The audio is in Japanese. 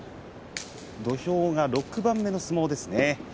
土俵が６番目の相撲ですね。